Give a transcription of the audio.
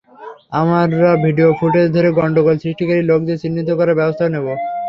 আমরা video footage ধরে গন্ডগোল সৃষ্টিকারী লোকদের চিহ্নিত করে ব্যবস্থা নেব।